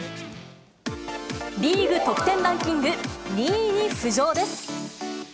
リーグ得点ランキング２位に浮上です。